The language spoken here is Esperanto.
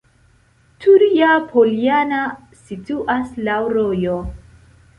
Turja-Poljana situas laŭ rojo.